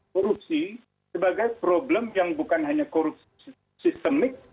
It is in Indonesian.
korupsi sebagai problem yang bukan hanya korupsi sistemik